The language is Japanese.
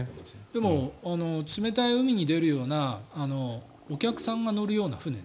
でも冷たい海に出るようなお客さんが乗るような船。